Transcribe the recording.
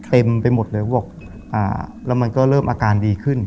เต็มไปหมดเลยแล้วมันก็เริ่มอาการดีขึ้น